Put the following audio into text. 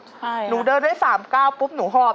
ฮะใช่นะครับหนูเดินได้สามก้าวปุ๊บหนูหอบ